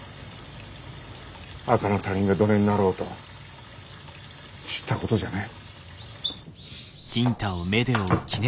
赤の他人がどねんなろうと知ったことじゃねえ。